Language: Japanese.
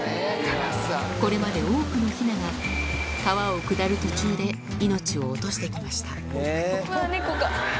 これまで多くのヒナが川を下る途中で命を落としてきました。